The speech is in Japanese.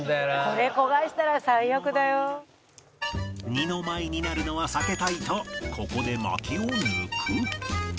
二の舞になるのは避けたいとここで薪を抜く